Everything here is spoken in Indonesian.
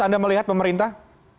anda melihat pemerintah